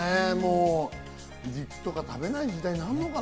肉とか食べない時代になるのかな。